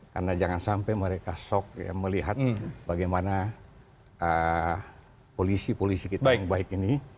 karena jangan sampai mereka sok melihat bagaimana polisi polisi kita yang baik ini